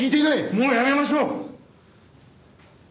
もうやめましょう！